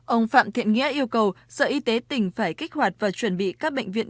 ông phạm thiện nghĩa yêu cầu sở y tế tỉnh phải kích hoạt và chuẩn bị các bệnh viện